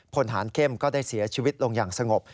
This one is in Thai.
พลฐานเข้มก็ได้เสียชีวิตลงอย่างสงบ